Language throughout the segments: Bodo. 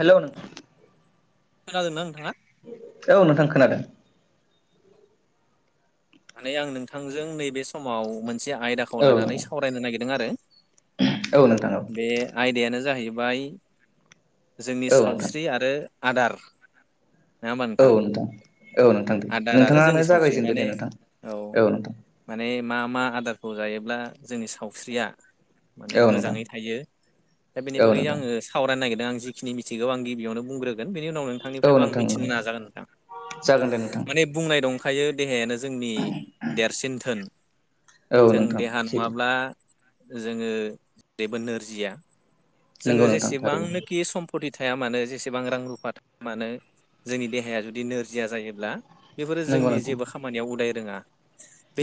हेलौ नों खोनादोंना नोंथाङा? औ नोंथां। खोनादों। माने आं नोंथांजों नैबे समाव मोनसे आयदाखौ औ लानानै नोंथां सावरायनो नागिरदों आरो औ नोंथां औ बे आयदायानो जाहैबाय जोंनि औ नोंथां सावस्रि आरो आदार नङा होमबा औ नोंथां औ नोंथां दे आदार आरो जोंनि नोंथाङानो सावस्रि जागायजेनदो माने दे नोंथां औ नोंथां। माने मा मा आदारखौ जायोब्ला जोंनि सावस्रिया माने औ नोंथां मोजाङै थायो दा बेनि औ बागै नोंथां आङो सावरायनो नागिरदों। आं जिखिनि मिथिगौ आं गिबियावनो बुंग्रो गोन बेनि उनाव औ नोंथांनिफ्रायबो आं नोंथां मिथिनो औ नाजागोन नोंथां जागोन दे नोंथां माने बुंनाय दंखायो देहायानो जोंनि देरसिन धोन औ जों नोंथां देहा सैथो नङाब्ला जोङो जेबो नोरजिया नंगौ जोङो नोंथां थारैनो जेसेबांनोखि सम्पति थाया मानो जेसेबां रां रुफा थाया मानो जोंनि देहाया जुदि नोरजिया जायोब्ला बेफोरो नंगौ जोंनि नोंथां जेबो खामानियाव उदाय रोङा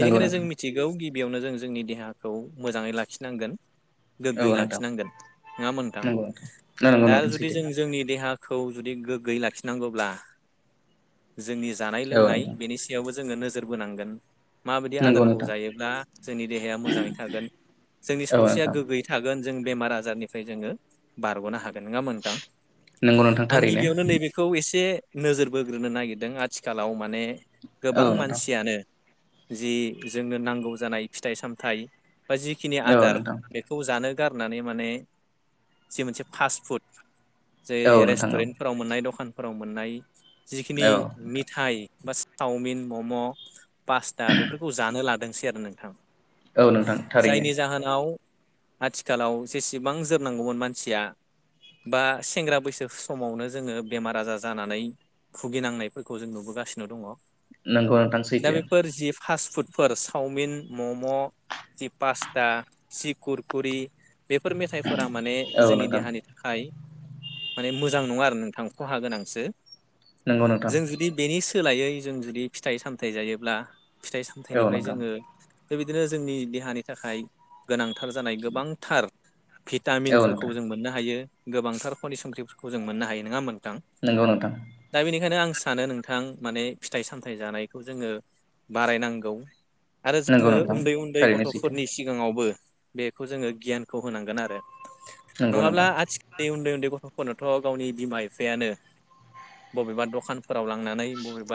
नंगौ जों नोंथां मिथिगौ गि बियावनो जों जोंनि देहाखौ मोजाङै लाखिनांगोन। औ गोग्गोयै नोंथां लाखिनांगोन नङा होमबा नोंथां नंगौ नंगौ दा नोंथां जुदि सैथो जों जोंनि देहा खौ जुदि गोग्गोयै लाखिनांगौब्ला जोंनि जानाय औ लोंनाय नोंथां बेनि सायावबो जोङो नोजोर बोनांगोन माबायदि नंगौ आदारखौ नोंथां जायोब्ला जोंनि देहाया मोजाङै थागोन जोंनि औ सावस्रिया नोंथां गोग्गोयै थागोन। जों बेमार आजारनिफ्राय जोङो बारग'नो हा गोन नङा होनबा नोंथां नंगौ नोंथां आं थारैनो गिबियावनो नैबेखौ एसे नोजोर बोग्रोनो नागिरदों आथिखालाव माने औ गोबां नोंथां मानसियानो जि जोंनो नांगौ जानाय फिथाइ सामथाइ बा जिखिनि औ आदार नोंथां बेखौ जानो गारनानै माने जि मोनसे फास फुड जे औ नोंथां रेस्टुरेन्टफोराव मोननाय दखानफोराव मोननाय जिखिनि औ मिथाइ बा चावमिन मम' पास्टा बेफोरखौ जानो लादोंसै आरो नोंथां। औ नोंथां थारैनो जायनि जाहोनाव आथिखालाव जेसेबां जोरनांगौमोन मानसिया बा सेंग्रा बैसो समावनो जोङो बेमार आजार जानानै भुगिनांनायफोरखौ जों नुबोगासिनो दङ नोंगौ नोंथां दा सैथो बेफोर जि फास्ट फुडफोर चावमिन मम' जि पास्ता जि खुरकुरि बेफोर मेथाइफोरा माने औ जोंनि नोंथां देहानि थाखाय माने मोजां नङा आरो नोंथां खहा गोनांसो नंगौ नोंथां जों जुदि बेनि सोलायै जों जुदि फिथाइ सामथाइ जायोब्ला फिथाइ औ सामथाइनिफ्राय नोंथां जोङो बेबायदिनो जोंनि देहानि थाखाय गोनांथार जानाय गोबांथार औ भिटामिनफोरखौ नोंथां जों मोननो हायो गोबांथार खनि संख्रिफोरखौ जों मोननो हायो नङा मोन थां नंगौ नोंथां दा बेनिखायनो आं सानो नोंथां माने फिथाइ सामथाइ जानायखौ जोङो बारायनांगौ आरो नंगौ जोङो नोंथां उन्दै उन्दै थारैनो सैथो गथ'फोरनि सिगाङावबो बेखौ जोङो गियानखौ होनांगोन आरो नंगौ नङाब्ला नोंथां आथिखालनि उन्दै उन्दै गथ'फो रनोथ' गावनि बिमा बिफायानो बबेबा दखानफोराव लांनानै बबेबा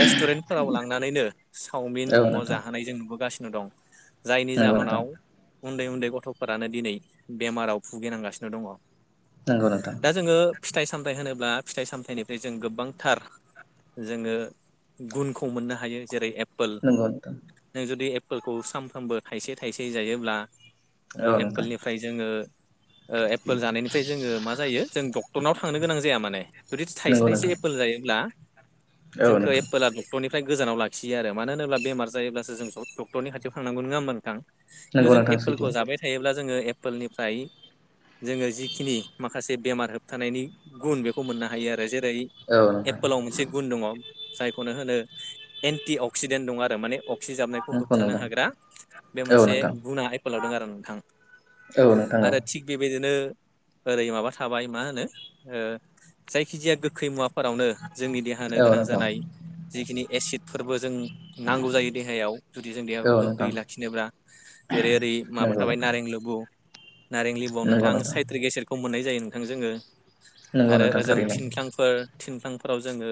रेस्टुरेन्टफोराव लांनानैनो चावमिन औ मम' नोंथां जाहोनाय जों नुबोगासिनो दं जायनि नंगौ नोंथां जाहोनाव उन्दै उन्दै गथ'फोरानो दिनै बेमाराव भुगिनांगासिनो दङ नोंगौ नोंथां दा जोङो फिथाइ सामथाइ होनोब्ला फिथाइ सामथाइनिफ्राय जों गोबांथार जोङो गुनखौ मोननो हायो जेरै एप्पोल नंगौ नोंथां जों जुदि एप्पोलखौ सानफ्रोमबो थाइसे थाइसे जायोब्ला ओ औ नोंथां एप्पोलनिफ्राय जोङो ओ एपोल जानायनिफ्राय जोङो मा जायो जों डक्टरनाव थांनो गोनां जाया माने जुदि नंगौ थायसे थाइसे नोंथां एपोल जा जायोब्ला औ जोंखो नोंथां एपोला डक्ट'रनि फ्राय गोजानाव लाखियो आरो मानो होनोब्ला बेमार जायोब्लासो जों डक्टरनि खाथियाव थांनांगौ नङा होमब्ला नोंथां खिन्थु नंगौ जों नोंथां सैथो एप्पोलखौ जाबाय थायोब्ला जोङो एप्पोलनिफ्राय जोङो जिखिनि माखासे बेमार होबथानायनि गुन बेखौ मोननो हायो आरो जेरै औ नोंथां एप्पोलाव मोनसे गुन दङ जायखौनो होनो एन्टि अक्सिडेन्ट दं आरो माने अक्सि जाबनायखौ नंगौ होबथानो नोंथां हाग्रा बे औ मोनसे नोंथां गुना एपोलाव दं आरो नोंथां औ नोंथां औ आरो थिग बेबायदिनो ओरै माबा थाबाय मा होनो ओ जायखिजाया गोखै मुवा फोरावनो जोंनि देहानो औ गोनां नोंथां जानाय जिखिनि एसिड फोरबो जों नांगौ जायो देहायाव जुदि जों देहाखौ औ नोंथां गोखैयै लाखिनोब्ला जेरै ओरै माबा नंगौ थाबाय नोंथां नारें लुबु नारें लिबुआव नोंथां साइट्रिक गसेटखौ मोननाय जायो नोंथां जोङो नंगौ आरो नोंथां ओजों थारैनो थिनखांफोर थिनफ्लांफोराव जोङो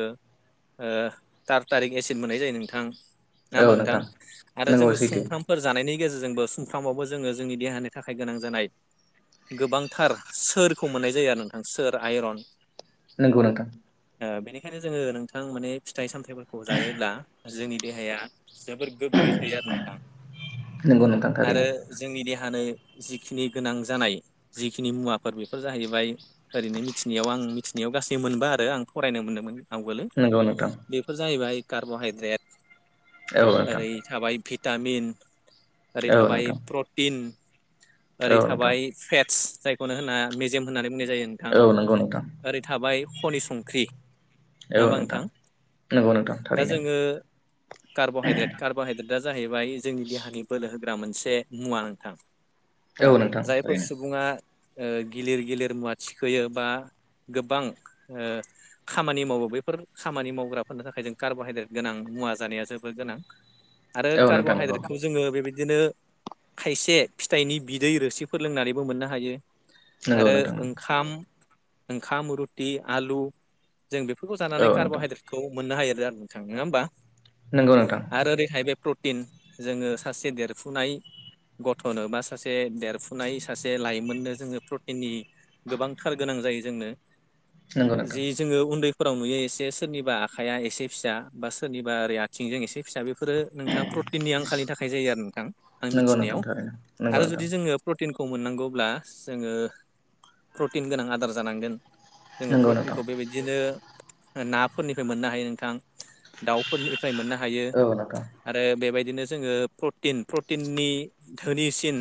थार थारिक एसिड मोननाय जायो नोंथां ना होमबा नोंथां आरो नंगौ जोङो सैथो सुमफ्रामफोर जानायनि गेजेरजोंबो सुमफ्रामावबो जोङो जोंनि देहानि थाखाय गोनां जानाय गोबांथार सोरखौ मोननाय जायो आरो नोंथां सोर आइरन नोंगौ नोंथां बेखायनो जोङो नोंथां माने फिथाइ सामथायाइफोरखौ जायोब्ला जोंनि देहाया जोबोर गोग्गयै थायो आरो नोंथां नंगौ नोंथां थारैनो आरो जोंनि देहा नो जिखिनि गोनां जानाय जिखिनि मुवाफोर बेफोर जाहैबाय ओरैनो मिथिनायाव आं आं मिथिनायाव गासै मोनबा आरो आं फरायनो मोनदोंमोन आंबो नंगौ नोंथां बेफोर जाहैबाय कार्ब'हाइद्रेट औ नोंथां ओरै थाबायि भिटामिन ओरै औ थाबाय नोंथां प्रटिन ओरै औ नोंथां थाबाय फेट जायखौनो होनना मेजेम होननानै बुंनाय जायो नोंथां औ नंगौ नोंथां ओरै थाबाय खनि संख्रि ए‌ नङा अ होमबा दा जोङो कार्बहाइद्रेट कार्बहाइद्रेटआ जाहैबाय बेयो जोंनि देहानि बोलो होग्रा मोनसे मुवा नोंथां औ हो नोंथां जायफोर थारैनो सुबुङा ओ गिलिर गिलिर मुवा थिखोयो बा गोबां ओ खामानि मावो बेफोर खामानि मावग्राफोरनि थाखाय जों कार्बहाइद्रेट गोनां मुवा जानाया जोबबोद गोनां आरो औ कार्ब नोंथां नंगौ हाइड्रेटखौ जोङो बे बाय दिनो खायसे फिथाइनि बिदै रोसिफोर लोंनानैबो मोननो हायो। नंगौ आरो नोंथां ओंखाम ओंखाम रुटि, आलु जों बेफोरखौ जानानै औ कार्ब नोंथां हाइड्रेटखौ मोननो हायो रो नोंथां नङा होमबा? नंगौ नोंथां आरो ओरैहाय बे प्रटिन जोङो सासे देरफुनाय गथ'नो बा सासे देरफुनाय सासे लाइमोननो जोङो प्रटिननि गोबांथार गोनां जायो जोंनो नंगौ नोंथां जि जोङो उन्दैफोराव नुयो एस से सोरनिबा आखाइया एसे फिसा बा सोरनिबा ओरै आथिंजों एसे फिसा बे फोरो नोंथाङा प्रटिननि आंखालनि थाखाय जायो आरो नोंथां आं नंगौ नोंथां मिथिनायाव। थारैनो नंगौ आरो नोंथां जुदि जोङो प्रटिन खौ मोननांगौब्ला जोङो प्रटिन गोनां आदार जानांगोन। जोङो नंगौ नोंथां प्रटिनखौ बेबायदिनो ओ नाफोरनिफ्राय मोननो हायो नोंथां। दाउफोरनिफ्राय मोननो हायो। औ नोंथां आरो बेबाय दिनो जोङो प्रटिन प्रटिननि धोनिसिन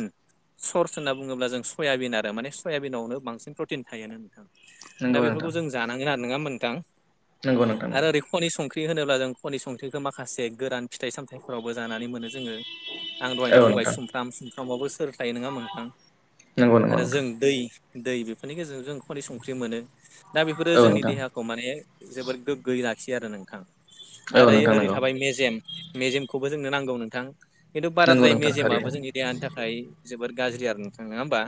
सर्स होनना बुङोब्ला जों सयाबिन आरो माने सयाबिनावनो बांसिन प्रटिन थायो नोंथां। दा नंगौ बेफोरखौ नोंथां जों जानांगोन आरो नङा होनबा नोथां? नंगौ नोंथां आरो ओरै खनि संख ख्रि होनोब्ला जों खनि संख्रिखो माखासे गोरान फिथाइ सामथाय फोरावबो जानानै मोनो जोङो। आं दहायनो औ बुंबाय नोंथां सुमफ्राम सुमफ्रामावबो सोर थायो नोङा होमबा नोंथां? नंगौ नंगौ आरो जों नोंथां दै दै बेफोरनि गेजेरजों जों खन संख्रि मोनो। दा बेफोरो औ नोंथां औ जोंनि नोंथां देहाखौ माने जोबद गोग्गोयै लाखियो आरो नोंथां। आरो ओरै नंगौ थाबाय मेजेम मेजेमखौबो जोंनो नांगौ नोंथां। खिन्थु नंगौ बाराद्राय नोंथां थारैनो मेजेमाबो जोंनि देहानि थाखाय जोबबोद गाज्रि आरो नोंथां नङा होमबा?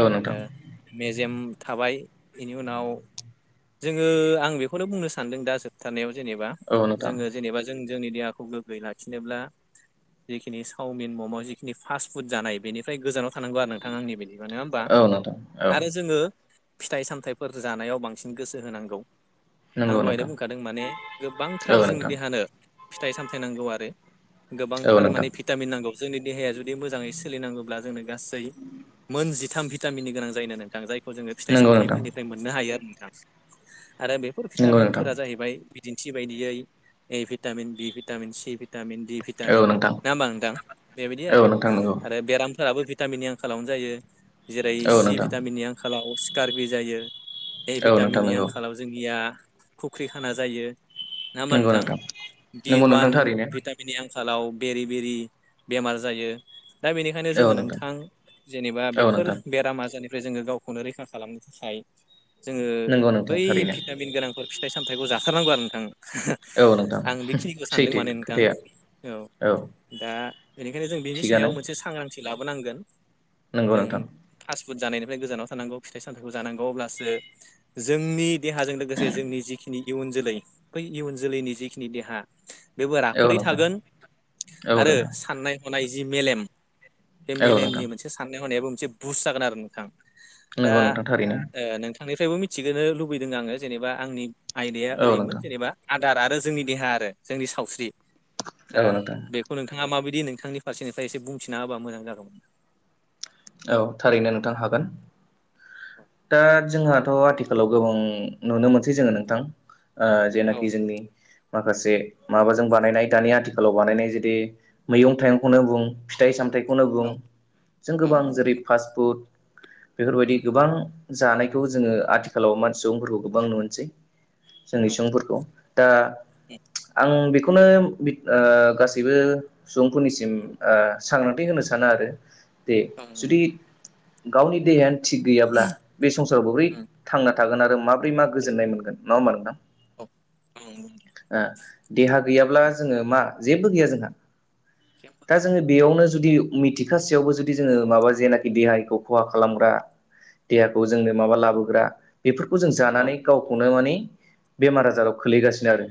औ नोंथां। जेम थाबाय बेनि उनाव जोङो आं बेखौनो बुंनो सानदों दा जोबथारनायाव जेनेबा औ नोंथां जोङो जेनेबा जों जोंनि देहाखौ गोग्गोै लाखिनोब्ला। जिखिनि सावमिन मम' जिखिनि फास्ट फुड जानाय बेनिफ्राय गोजानाव थानांगौ आरो नोंथां आंनि बायदिबा नोङा होमबा? औ नोंथां औ आरो जोङो फिथाइ सामथाइफोर जानायाव बां सिन गोसो होनांगौ। आं नंगौ दहायनो नोंथां बुंखादों माने गोबांथार औ जोंनि नोंथां देहानो फिथाइ सामथाय नांगौ। आरो औ गोबांथार नोंथां माने भिटामिन नांगौ। जोंनि देहाया जुदि मोजाङै सोलिनांगौब्ला जोंनो गासै मोन जि थाम भिटामिननि गोनां जायो नोंथां। जायखौ जोङो फिथाइ नंगौ नोंथां सामथायफोरनिफ्राय मोननो हायो आरो। नोंथां आरो बेफोर नंगौ नोंथां भिटामिनफोरा जाहैबाय बिदिन्थि बायदियै A vitamin, B vitamin, C vitamin, D vitamin औ नोंथां नाङा होमबा नोंथां? बे बायदि आरो, औ नोंथां आरो बेरामफोराबो टामिननि आंखालावनो जायो। जेरै नंगौ औ सि नोंथां भिटामिननि आंखालाव सिकारबि जायो। औ नोंथां टामिननि नंगौ आंखालाव जोंनिया फुख्रि खाना जायो। नङा होमबा नोंथां? दि नंगौ अ'वान नोंथां थारैनो भिटामिननि आं खालाव बेरि बेरि बेमार जायो। दा बेनिखायनो जोङो नोंथां जेनेबा औ बेफोर नोंथां बेरामा जेनेब फ्राय जोङो गावखौनो रैखा खालामनो थाखाय जोङो नंगौ नोंथां बै थारैनो भिटामिन गोनांफोर फि थाइ सामथाइखौ जाथारनांगौ आरो नोंथां। औ नोंथां आं बेखिनिखौ सानदों सैथो माने नोंथां। खोथाया औ दा बेनिखायनो जों बेनि सायाव थिगानो मोनसे सांग्रांथि लाबोनांगोन। नंगौ जों नोंथां फास फुद जानायनिफ्राय गोजानाव थानांगौ फिथाइ सामथाइखौ जानांगौ। अब्लासो जोंनि देहाजों लोगोसे जोंनि जिखिनि इयुन जोलै बै इयुन जोलैनि जिखिनि देहा बेबो औ राफोदै नोंथां थागोन। औ आरो नोंथां साननाय हनाय जि मेलेम बे औ नोंथां मेलेमनि मोनसे साननाय हनायाबो मोनसे बुस जागोन आरो नोंथां। नंगौ नोंथां थारैनो। आंनिफ्रायबो मिथिगोनो लुबैदों आङो। जेनेबा आंनि आयदाया औ ओरैमोन नोंथां जेनेबा आ दार आरो जोंनि देहा आरो जोंनि सावस्रि दा औ नोंथां बेखौ नोंथाङा माबाय दि नोंथांनि फारसेनिफ्राय एसे बुंथिना होबा मोजां जागौमोन। औ थारैनो नोंथां हागोन दा जोंहा थ' आथिखालाव गोबां नुनो मोनसै जोङो नोंथां ओ औ जेनाखि जोंनि माखासे माबाजों बानायनाय दानि आथिखालाव बानायनाय जुेरदि मैगं थाइगंखौनो बुं फिथाइ सामथाय खौनो बुं औ जों औ गोबां नोंथां फासपुट बेफोरबायदि गोबां जानायखौ जोङो आथिखालाव मान सुबुंफोरखौ गोबां नुनोसै औ जोंनि सुबुंफोरखौ दा [unintelligible] आं बेखौनो गासैबो सुबुंफोरनिसिम ओ सांग्रांथि होनो सानो आरो दे जुदि गावनि देहायानो थिग गैयाब्ला बे संसाराव बोरै थांना थागोन आरो माब बोरै मा गोजोननाय मोनगोन नङा होनबा नोंथां? ओ देहा गैयाब्ला जोङो मा जेब्बो गैया जोंहा दा जोङो बेयावनो जुदि मिथिखासेयावबो जुदि जोङो माबा जेनाखि देहाखौ खहा खालामग्रा देहाखौ जोंनो माबा लाबोग्रा बेफोरखौ जों जानानै गावखौनो मानि बेमार आजाराव खोलैगासिनो आरो।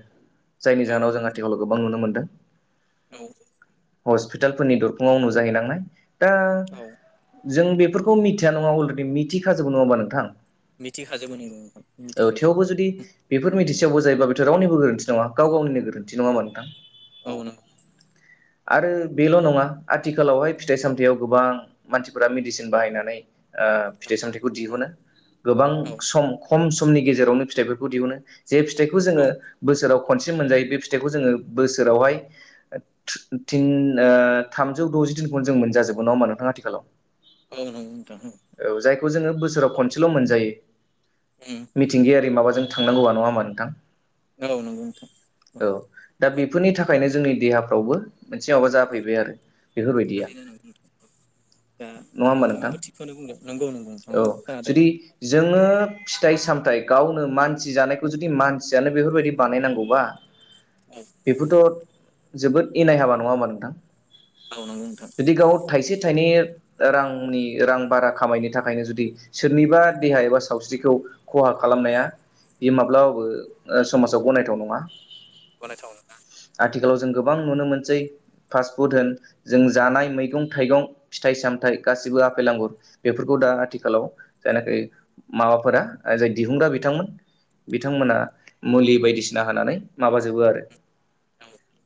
जायनि जाहोनाव जों आथिखालाव गोबां नुनो मोनदों। औ हस्पितालफोरनि दरखुङाव नुजाहै नांनाय दा औ औ जों बेफोरखौ मिथिया नङा अलरेडि मिथिखाजोबो नङा होनोमा नोंथां? मिथिखाजोबो नों नों औ थेवबो जुदि मिथिखाजोबो। बेफोर मिथिसेयावबो जायोबा बेथ' रावनिबो नङ गाव गावनि गोरोन्थिनो नङामा नोंथां? औ नों आरो बेल' नङा आथिखालावहाय फिथाइ सामथायाइाव गोबां मानसिफोरा मेडिसिन बाहायनानै ओ नंगौ फिथाइ सामथाइखौ दिहुनो। गोबां औ औ सम खम स समनि गेजेरावनो फिथाइफोरखौ दिहुनो जे फिथाइखौ औ जोंङो बोसोराव खनसे मोनजायो बे फिथायखौ जोंङो बोसो रावहाय थिन ओ थामजौ द'जि दिनखौनो जों मोनजाजोबगोन नंङा होमबा नोंथां आथि औ नंगौ नोंथां औ। बेखौ जोंङो बोसोराव खनसेल' मोनजायो उम मिथिंगायारि माबाजों थांनांगौआ नङा होमबा नोंथां? औ नंगौ नोंथां औ दा बेफोरनि थाखायनो जोंनि देहाफ्रावबो मोनसे माबा उम जाफैबाय आरो बेफोरबायदिया। थारैनो नंगौ नोंथां औ दा नङा होमबा नोंथां नोंथांङाबो थिगखौनो बुंदों। नंगौ नंगौ नोंथां औ खोनादों जुदि जोंङो फिथाइ साम थाय गावनो मानसि जानायखौ जुदि मानसियानो बेफोरबायदि बानायनांगौबा औ बेफोरथ' जोबोद इनाय हाबा नङा होमबा नोंथां? औ नंगौ नोंथां जुदि गाव थाइसे से रांनि रां बारा खामायनो थाखायनो जुदि सोरनिबा देहा एबा सावस्रिखौ खहा खालामनाया बेयो माब्लाबाबो ओ समाजाव गनायथाव नङा। गनायथाव नंङा। आथिखालाव जों गोबां नुनो मोनसै फास्टफुड होन जों जानाय मैगं थाइगं फिथाइ सामथाइ गासिबो आफेल आंगुर बेफोरखौ दा आथिखालाव जायनाखि माबाफोरा जाय दिहुनग्रा बिथांमोन बिथांमोना मुलि बायदिसिना होनानै माबाजोबो आरो।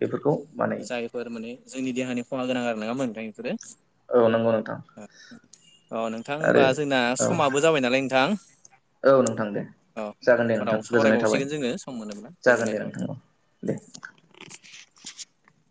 बेफोरखौ औ बानायो जायफोर माने जोंनि देहानि खहा गोनां आरो नंङा होनबा नोंथां इफोरो? औ नंगौ नों अ नोंथां होमबा जोंना औ समाबो जाबाय नालाय नोंथां। औ नोंथां दे औ जागोन दे उनफोराव नोंथां गोजोननाय थाबाय सावरायबावसिगोन जोङो सम मोनोब्ला जागोन गोजोननाय दे थाबाय नोंथां औ। दे। [inaudible]